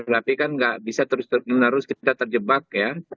tapi kan nggak bisa terus menerus kita terjebak ya